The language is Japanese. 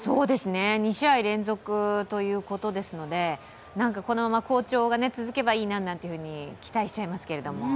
２試合連続ということですのでなんかこのまま好調が続けばいいななんて期待しちゃいますけれども。